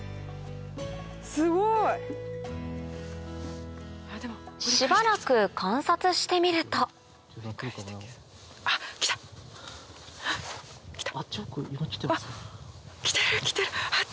すごい！しばらく観察してみるとあっ来た！来た！